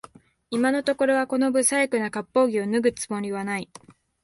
今のところはこの不細工な割烹着を脱ぐつもりはない